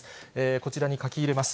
こちらに書き入れます。